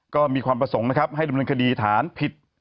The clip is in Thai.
ก็มีความประสงค์ให้หลวงกันในคดีผิด